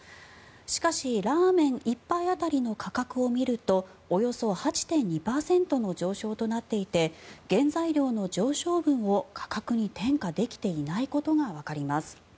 しかし、ラーメン１杯当たりの価格を見るとおよそ８．２％の上昇となっていて原材料の上昇分を価格に転嫁できていないことがわかります。